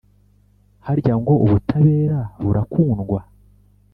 Harya ngo ubutabera burakundwa?